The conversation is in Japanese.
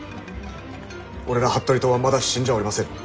俺ら服部党はまだ死んじゃおりません。